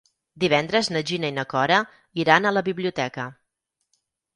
Divendres na Gina i na Cora iran a la biblioteca.